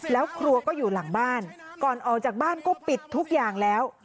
แล้วครัวก็อยู่หลังบ้านก่อนออกจากบ้านก็ปิดทุกอย่างแล้ว